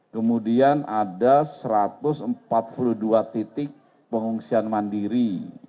kemudian ada satu ratus empat puluh dua titik pengungsian mandiri